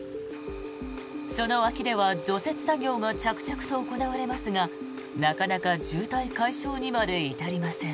その脇では除雪作業が着々と行われますがなかなか渋滞解消にまで至りません。